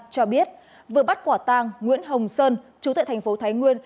cho biết vừa bắt quả tang nguyễn hồng sơn chú tại thành phố thái nguyên